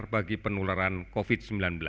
bagi penularan covid sembilan belas